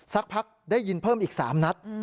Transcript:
สักพักได้ยินเพิ่มอีก๓นัด